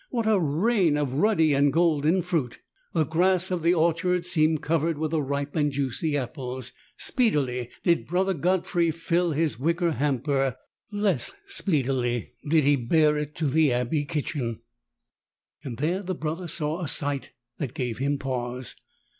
What a rain of ruddy and golden fruit ! The grass of the orchard seemed covered with the ripe and juicy apples. Speedily did Brother Godfrey fill his wicker hamper : less speedily did he bear it to the abbey kitchen. There the Brother saw a sight that gave him pause.